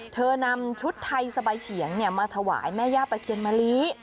นำชุดไทยสบายเฉียงมาถวายแม่ย่าตะเคียนมะลิ